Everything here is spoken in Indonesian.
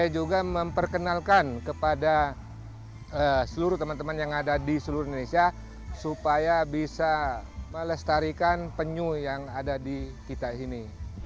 saya juga memperkenalkan kepada seluruh teman teman yang ada di seluruh indonesia supaya bisa melestarikan penyu yang ada di kita ini